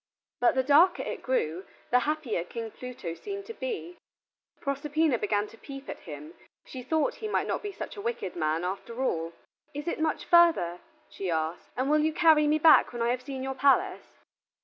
But the darker it grew, the happier King Pluto seemed to be. Proserpina began to peep at him, she thought he might not be such a wicked man after all. "Is it much further," she asked, "and will you carry me back when I have seen your palace?"